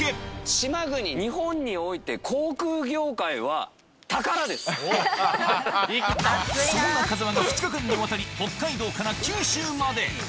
島国、日本において航空業界そんな風間が２日間にわたり、北海道から九州まで。